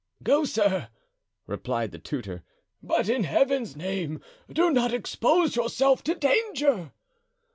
"Go, sir," replied the tutor; "but in Heaven's name do not expose yourself to danger!"